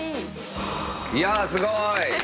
いやすごい。